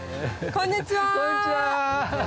こんにちは！